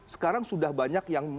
sekarang sudah banyak yang